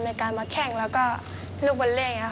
ในการมาแข่งแล้วก็ลูกบะเลี่ยง